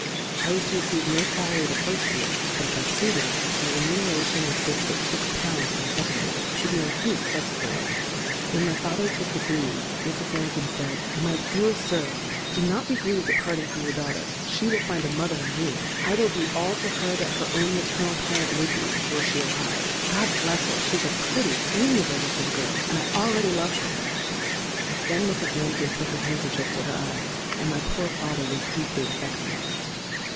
I was to receive no salary the first year; but if I suited, my remuneration was fixed at six pounds for the second year, to be increased subsequently. "When my father took his leave, Mrs. Lambkin said, 'My dear sir, do not be grieved at parting from your daughter. She will find a mother in me. I will be all to her that her own maternal parent would be, were she alive. God bless her! she's a pretty, amiable looking girl; and I already love her!'—Then Mrs. Lambkin put her handkerchief to her eyes; and my poor father was deeply affected.